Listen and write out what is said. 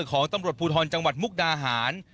ของตำรวจภูทรจังหวัดมุกดาหาร